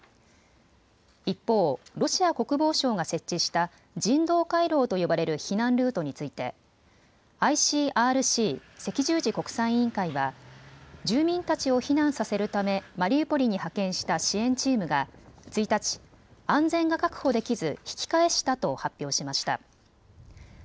一方、ロシア国防省が設置した人道回廊と呼ばれる避難ルートについてＩＣＲＣ・赤十字国際委員会は住民たちを避難させるためマリウポリに派遣した支援チームが１日、安全が確保できず引き返したと発表しました。